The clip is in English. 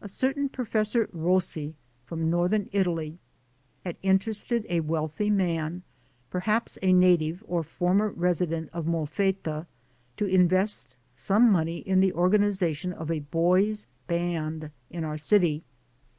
A certain Professor Rossi from northern Italy had interested a wealthy man, perhaps a native or former resident of Molfetta, to invest some money in the organization of a boys' band in our city.